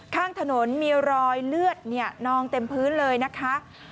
ข้างถนนมีรอยเลือดนองเต็มพื้นเลยนะคะ